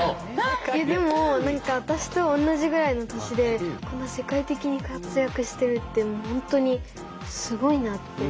えでも私と同じぐらいの年でこんな世界的に活躍してるってもう本当にすごいなって。